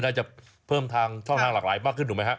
จะเพิ่มทางช่องทางหลากหลายมากขึ้นถูกไหมฮะ